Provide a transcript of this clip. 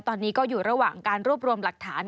ตอนนี้ก็อยู่ระหว่างการรวบรวมหลักฐาน